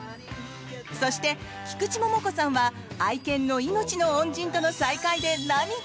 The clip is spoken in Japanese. そして、菊池桃子さんは愛犬の命の恩人との再会で涙。